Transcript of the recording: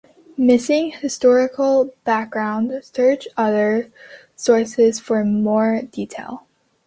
Missing Historical background, search other sources for more details.